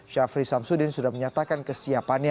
syafri samsudin sudah menyatakan kesiapannya